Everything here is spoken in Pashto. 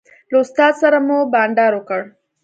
له استاد سره مو بانډار وکړ.